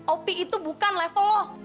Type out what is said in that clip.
op itu bukan level lo